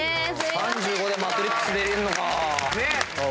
３５で『マトリックス』出れんのか。